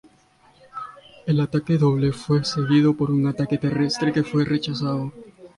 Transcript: El ataque doble fue seguido por un ataque terrestre que fue rechazado.